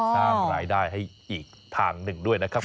สร้างรายได้ให้อีกทางหนึ่งด้วยนะครับ